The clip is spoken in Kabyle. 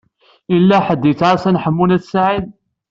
Yella ḥedd i yettɛassan Ḥemmu n At Sɛid.